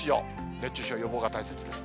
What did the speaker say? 熱中症予防が大切です。